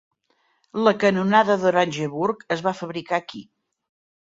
La canonada d'Orangeburg es va fabricar aquí.